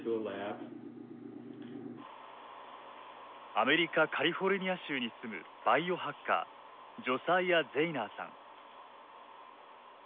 アメリカ・カリフォルニア州に住むバイオハッカージョサイア・ゼイナーさん。